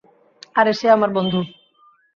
আরে সে আমার বন্ধু।